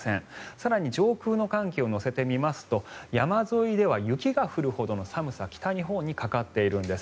更に上空の寒気を乗せてみますと山沿いでは雪が降るほどの寒さ北日本にかかっているんです。